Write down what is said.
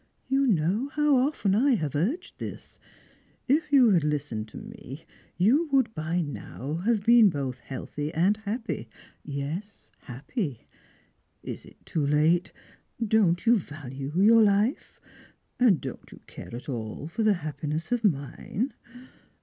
You know how often I have urged this; if you had listened to me, you would by now have been both healthy and happy yes, happy. Is it too late? Don't you value your life? And don't you care at all for the happiness of mine?